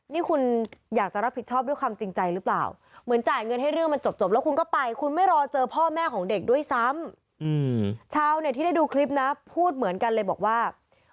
นี่คุณอยากจะรับผิดชอบด้วยความจริงใจหรือเปล่า